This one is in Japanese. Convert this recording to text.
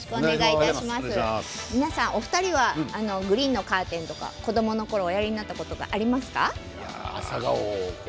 皆さんお二人はグリーンのカーテンとか子どものころ、おやりになったことはありますか？